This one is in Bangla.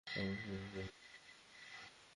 অবশ্যই এটা বিক্রির জন্য।